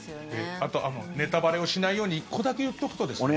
あとネタバレをしないように１個だけ言っておくとですね